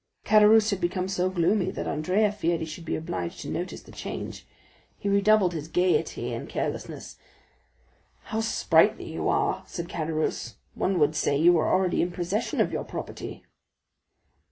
Caderousse had become so gloomy that Andrea feared he should be obliged to notice the change. He redoubled his gayety and carelessness. "How sprightly you are," said Caderousse; "One would say you were already in possession of your property."